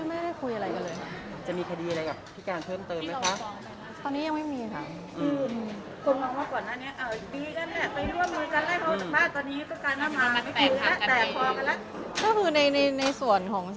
อะไรบ้างครับ